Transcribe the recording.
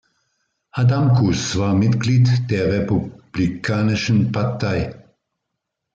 Adamkus war Mitglied der Republikanischen Partei.